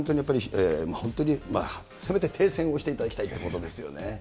本当に、せめて停戦をしていただきたいということですよね。